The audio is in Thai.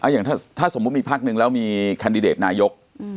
อย่างถ้าสมมุติมีพักนึงแล้วมีแคนดิเดตนายก